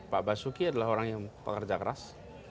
pak basuki adalah orang yang pekerja keras